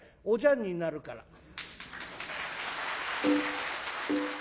「おじゃんになるから」。